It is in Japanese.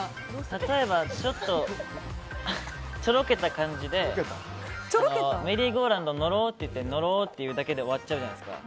例えば、ちょろけた感じでメリーゴーラウンド乗ろうって言ったら乗ろうで終わっちゃうじゃないですか。